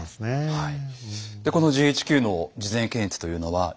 はい。